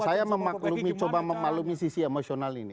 saya memaklumi coba memaklumi sisi emosional ini